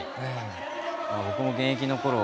僕も現役のころ